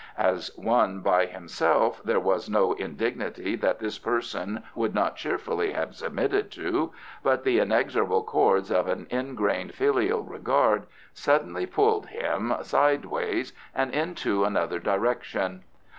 As one by himself there was no indignity that this person would not cheerfully have submitted to, but the inexorable cords of an ingrained filial regard suddenly pulled him sideways and into another direction.